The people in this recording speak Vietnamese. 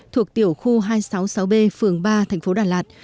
thuộc tiểu khu hai trăm sáu mươi sáu b phường ba thành phố đà lạt